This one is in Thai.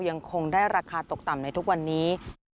ยังคงได้ราคาตกต่ำในทุกวันนี้